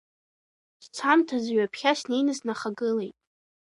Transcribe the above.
Сцамҭазы ҩаԥхьа снеины снахагылеит.